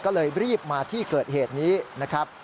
ก็เลยรีบมาที่เกิดเหตุนี้นะครับ